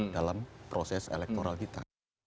dalam proses elektoral kita